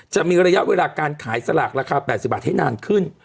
จะมีระยะเวลาการขายสลากราคา๘๐บาทให้นานขึ้น